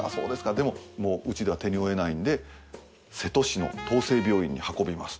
でももううちでは手に負えないんで瀬戸市の陶生病院に運びます。